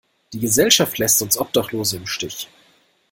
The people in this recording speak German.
Die Gesellschaft lässt uns Obdachlose im Stich.